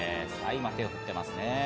今、手を振っていますね。